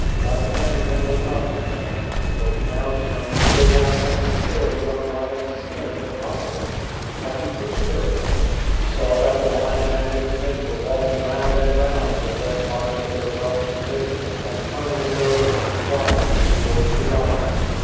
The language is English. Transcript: But Hannington was not content ; for he now determined to go back and secure the young lion's skin if possible. As he drew near again he saw that the lion 123 TURNED BACK FROM THE GOAL and its mate were walking round and round the dead body of their whelp, lickhig it, and turning it over, and trying to restore it to life.